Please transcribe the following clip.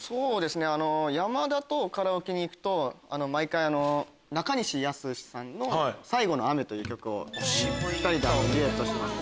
山田とカラオケに行くと毎回中西保志さんの『最後の雨』という曲を２人でデュエットします。